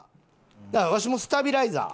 わしもスタビライザー。